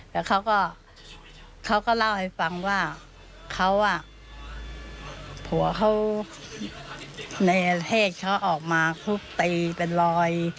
แล้วเขาก็เขาก็เล่าให้ฟังว่าเขาอ่ะผัวเขาในเลขเขาออกมาทุบตีเป็นรอย